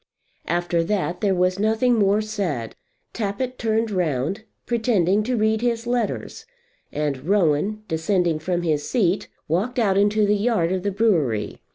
After that there was nothing more said. Tappitt turned round, pretending to read his letters, and Rowan descending from his seat walked out into the yard of the brewery.